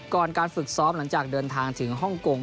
ก่อนการฝึกซ้อมหลังจากเดินทางถึงฮ่องกง